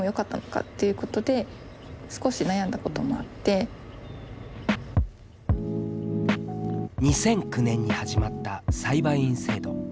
最初の通知が２００９年に始まった裁判員制度。